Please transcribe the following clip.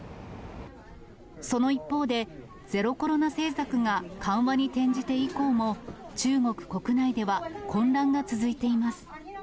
その一方で、ゼロコロナ政策が緩和に転じて以降も、中国国内では、混乱が続いています。